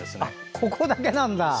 ここだけなんだ。